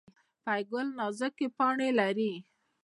پوپی ګل نازکې پاڼې لري